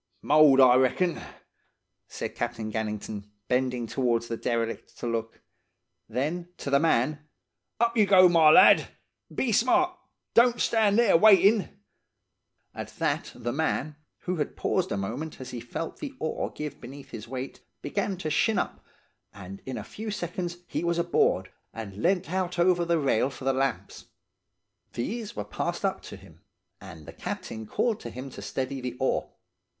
"'Mould, I reckon,' said Captain Gannington, bending towards the derelict to look. Then to the man: "'Up you go, my lad, and be smart! Don't stand there waitin'!' "At that the man, who had paused a moment as he felt the oar give beneath his weight began to shin' up, and in a few seconds he was aboard, and leant out over the rail for the lamps. These were passed up to him, and the captain called to him to steady the oar.